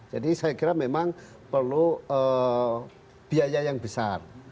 jadi saya kira memang perlu biaya yang besar